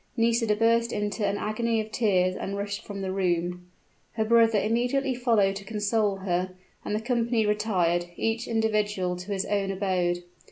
Nisida burst into an agony of tears and rushed from the room. Her brother immediately followed to console her; and the company retired, each individual to his own abode.